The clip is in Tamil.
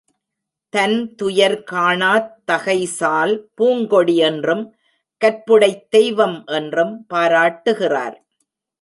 தன்துயர் காணாத் தகைசால் பூங்கொடி என்றும், கற்புடைத் தெய்வம் என்றும் பாராட்டுகிறார்.